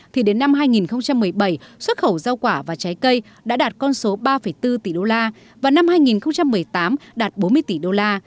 thì đến năm hai nghìn một mươi bảy xuất khẩu rau quả và trái cây đã đạt con số ba bốn tỷ đô la và năm hai nghìn một mươi tám đạt bốn mươi tỷ đô la